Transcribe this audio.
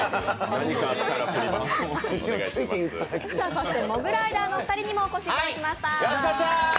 そしてモグライダーのお二人にもお越しいただきました。